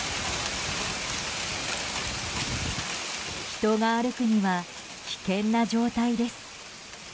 人が歩くには危険な状態です。